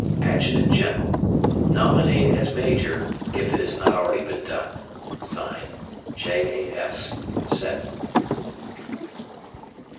Adjutant General: Nominate as major if it has not already been done. J. A. S. (Seddon).